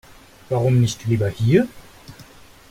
Warum nicht lieber hier?